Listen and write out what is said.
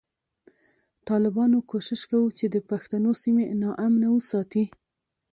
ټالبانو کوشش کوو چی د پښتنو سیمی نا امنه وساتی